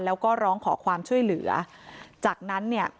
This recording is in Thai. แล้วก็ร้องขอความช่วยเหลือจากนั้นเนี่ย